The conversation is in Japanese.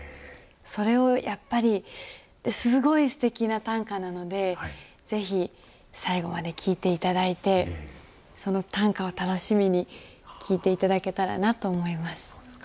それをやっぱりすごいすてきな短歌なのでぜひ最後まで聞いていただいてその短歌を楽しみに聞いていただければなと思います。